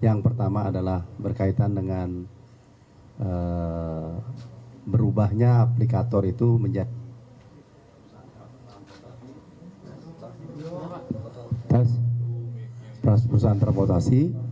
yang pertama adalah berkaitan dengan berubahnya aplikator itu menjadi perusahaan transportasi